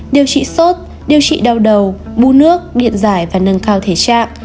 điều trị sốt điều trị đau đầu bu nước điện giải và nâng cao thể trạng